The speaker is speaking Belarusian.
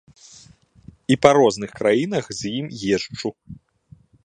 І па розных краінах з ім езджу.